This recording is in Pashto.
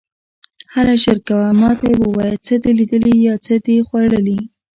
هله ژر کوه، ما ته یې ووایه، څه دې لیدلي یا څه دې خوړلي.